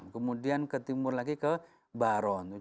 kemudian ke timur lagi ke baron